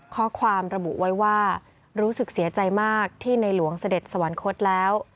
ข้อความระบุไว้ว่ารู้สึกเสียใจมากที่ในหลวงเสด็จสวรรคตแล้ว